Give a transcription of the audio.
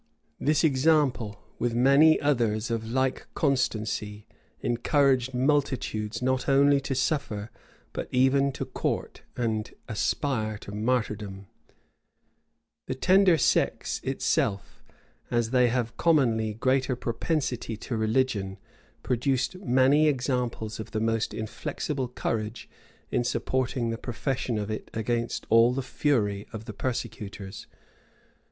[] This example, with many others of like constancy, encouraged multitudes not only to suffer, but even to court and aspire to martyrdom. * Fox, vol. iii. p. 216. Burnet, vol. ii. p. 318. Heylin, p. 52. Fox, vol. iii. p. 265. The tender sex itself, as they have commonly greater propensity to religion, produced many examples of the most inflexible courage in supporting the profession of it against all the fury of the persecutors.